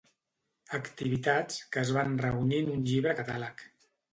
Activitats que es van reunir en un llibre-catàleg.